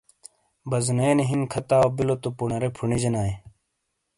بزونے نی ہِن کھتاؤ بِیلو تو پُنارے پھُنیجینائیے۔